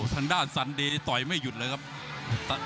ทางด้านสันเดรียอยู่ไม่จุดเลยครับ